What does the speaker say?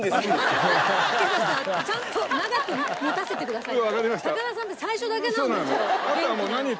けどさちゃんと長く持たせてくださいね。